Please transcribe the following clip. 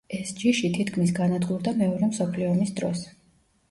ეს ჯიში თითქმის განადგურდა მეორე მსოფლიო ომის დროს.